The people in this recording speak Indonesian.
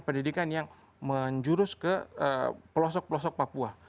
pendidikan yang menjurus ke pelosok pelosok papua